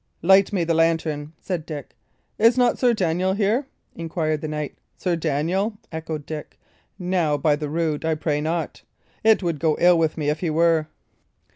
"Light me the lantern," said Dick. "Is not Sir Daniel here?" inquired the knight. "Sir Daniel?" echoed Dick. "Now, by the rood, I pray not. It would go ill with me if he were."